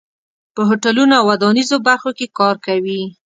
په هوټلونو او ودانیزو برخو کې کار کوي.